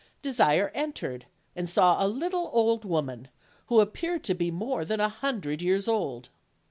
Desire entered, and saw a little old woman, who ap peared to be more than a hundred years old.